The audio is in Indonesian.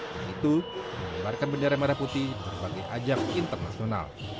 dan itu menyebarkan bendera merah putih sebagai ajak internasional